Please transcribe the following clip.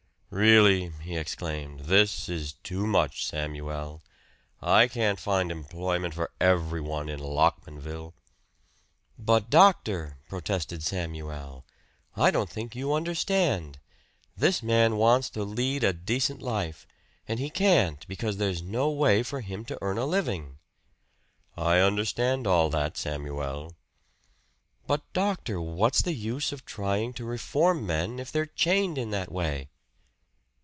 "Really," he exclaimed, "this is too much, Samuel! I can't find employment for everyone in Lockmanville." "But, doctor!" protested Samuel, "I don't think you understand. This man wants to lead a decent life, and he can't because there's no way for him to earn a living." "I understand all that Samuel." "But, doctor, what's the use of trying to reform men if they're chained in that way?"